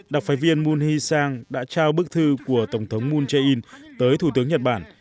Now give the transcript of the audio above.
đặc phái viên moon hee sang đã trao bức thư của tổng thống moon jae in tới thủ tướng nhật bản